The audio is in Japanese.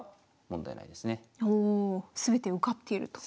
おお全て受かっていると。